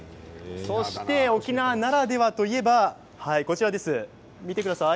そして、沖縄ならではといえば見てください。